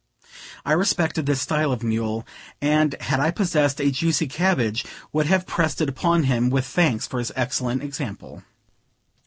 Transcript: I respected this style of mule; and, had I possessed a juicy cabbage, would have pressed it upon him, with thanks for his excellent example.